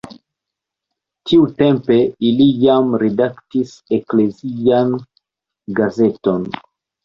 Tiutempe li jam redaktis eklezian gazeton.